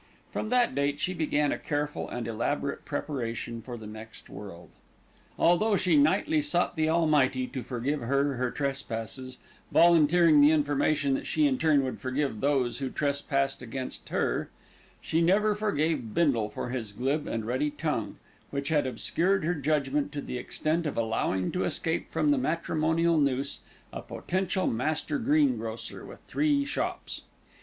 From that date she began a careful and elaborate preparation for the next world. Although she nightly sought the Almighty to forgive her her trespasses, volunteering the information that she in turn would forgive those who trespassed against her, she never forgave Bindle for his glib and ready tongue, which had obscured her judgment to the extent of allowing to escape from the matrimonial noose, a potential master greengrocer with three shops.